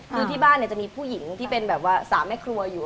คือที่บ้านจะมีผู้หญิงที่เป็นแบบว่า๓แม่ครัวอยู่